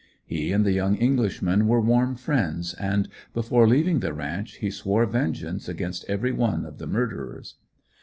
He and the young Englishman were warm friends and before leaving the ranch he swore vengeance against every one of the murderers.